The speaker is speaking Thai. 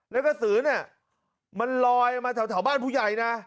แล้วกระสือเนี่ยมันลอยมาแถวบ้านผู้ใหญ่นะ